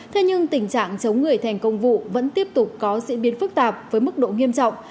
thế nhưng tình trạng chống người thành công vụ vẫn tiếp tục có diễn biến phức tạp với mức độ nghiêm trọng